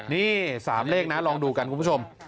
นี่๓เลขนะลองดูกันคุณผู้ชม